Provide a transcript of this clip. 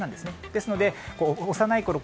ですので幼いころ